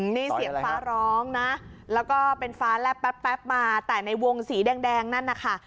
นี่เสียงฟ้าร้องนะแล้วก็เป็นฟ้าแลบแป๊บมาแต่ในวงสีแดงนั่นนะคะ